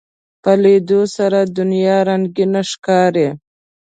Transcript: په لیدلو سره دنیا رنگینه ښکاري